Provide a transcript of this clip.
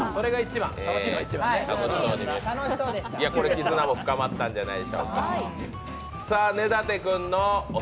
絆も深まったんじゃないでしょうか。